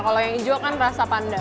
kalau yang hijau kan rasa pandang